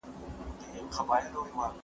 مڼه د پوستکي رطوبت ساتي.